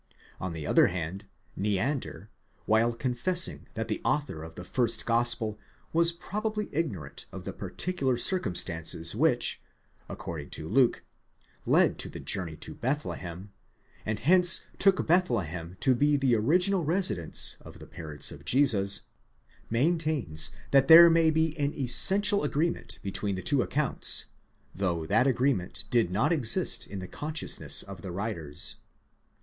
On the other hand Neander, while confessing that the author of the first Gospel was probably ignorant of the particular circum stances which, according to Luke, led to the journey to Bethlehem, and hence took Bethlehem to be the original residence of the parents of Jesus, maintains that there may be an essential agreement between the two accounts though that agreement did not exist in the consciousness of the writers.